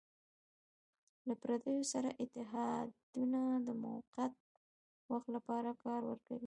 له پردیو سره اتحادونه د موقت وخت لپاره کار ورکوي.